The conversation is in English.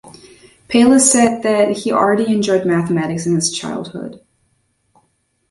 Palis said that he already enjoyed mathematics in his childhood.